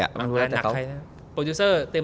นักใครเนี่ย